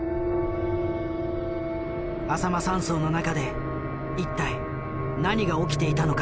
あさま山荘の中で一体何が起きていたのか？